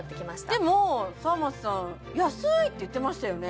でも沢松さん安いって言ってましたよね？